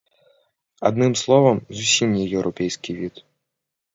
Адным словам, зусім не еўрапейскі від.